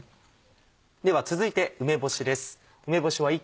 では続いて梅干しです。